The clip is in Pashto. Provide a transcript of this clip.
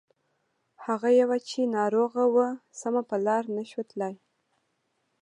هغه يوه چې ناروغه وه سمه په لاره نه شوه تللای.